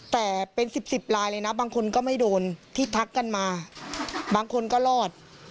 แต่เป็น๑๐๑๐ลายเลยนะบางคนก็ไม่โดนที่ทักกันมาบางคนก็รอด